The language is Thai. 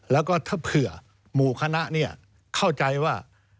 แล้วก็ถ้าเผื่อหมู่คณะเข้าใจว่า